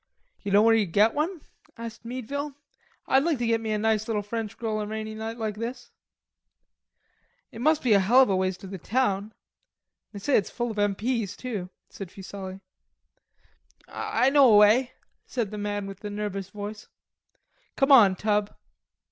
"You know where you get one?" asked Meadville. "I'd like to get me a nice little French girl a rainy night like this." "It must be a hell of a ways to the town.... They say it's full of M. P.'s too," said Fuselli. "I know a way," said the man with the nervous voice, "Come on; Tub."